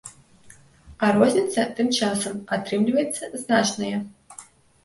А розніца, тым часам, атрымліваецца значная.